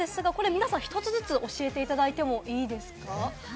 皆さん、一つずつ教えていただいてもいいですか？